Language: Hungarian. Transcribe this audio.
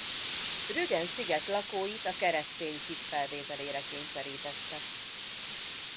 Rügen sziget lakóit a keresztény hit felvételére kényszerítette.